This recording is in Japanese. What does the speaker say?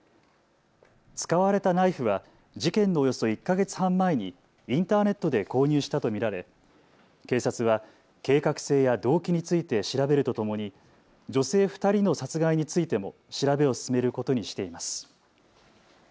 使われたナイフは事件のおよそ１か月半前にインターネットで購入したと見られ警察は計画性や動機について調べるとともに女性２人の殺害についても調べを進めることにしています。